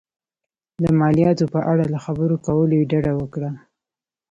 د مالیاتو په اړه له خبرو کولو یې ډډه وکړه.